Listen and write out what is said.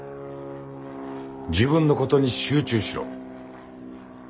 自分のことに集中しろ。